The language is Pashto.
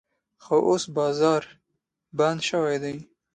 خو اوس بازار بند شوی دی.